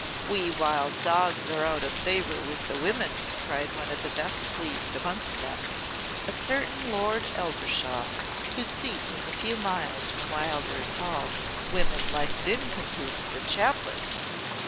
"We wild dogs are out of favour with the women," cried one of the best pleased among them, a certain Lord Eldershawe, whose seat was a few miles from Wildairs Hall "women like nincompoops and chaplains.